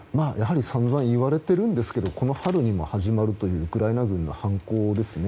さんざん言われているんですけれどもこの春にも始まるというウクライナ軍の反攻ですね。